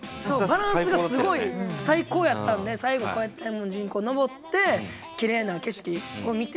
バランスがすごい最高やったんで最後こうやって大文字に登ってきれいな景色を見て。